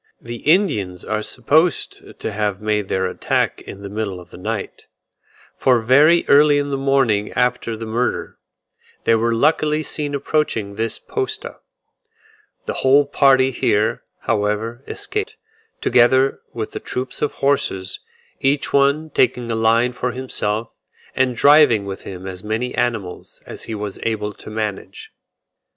The Indians are supposed to have made their attack in the middle of the night; for very early in the morning after the murder, they were luckily seen approaching this posta. The whole party here, however, escaped, together with the troop of horses; each one taking a line for himself, and driving with him as many animals as he was able to manage.